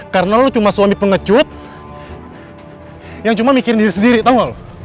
karena lo cuma suami pengecut yang cuma mikirin diri sendiri tau gak lo